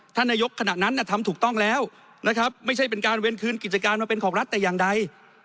ท่านนายกขณะนั้นทำถูกต้องแล้วนะครับไม่ใช่เป็นการเว้นคืนกิจการมาเป็นของรัฐแต่อย่างใด